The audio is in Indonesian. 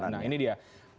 nah ini dia